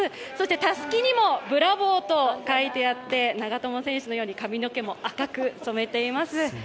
たすきにもブラボーと書いてあって長友選手のように髪の毛も赤く染めています。